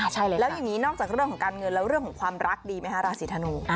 ใช่แล้วอย่างนี้นอกจากเรื่องของการเงินแล้วเรื่องของความรักดีไหมคะราศีธนู